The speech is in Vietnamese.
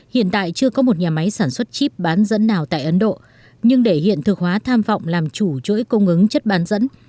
hiện tại chưa có một nhà máy sản xuất chip bán dẫn nào tại ấn độ nhưng để hiện thực hóa tham vọng làm chủ chuỗi cung ứng chất bán dẫn